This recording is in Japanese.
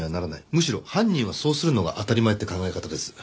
むしろ犯人はそうするのが当たり前って考え方です。